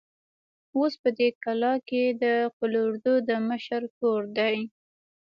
اوس په دې کلا کې د قول اردو د مشر کور دی.